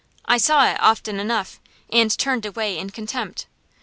I saw it often enough, and turned away in contempt.